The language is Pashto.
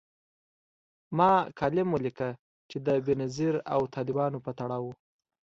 ما کالم ولیکه چي د بېنظیر او طالبانو په تړاو و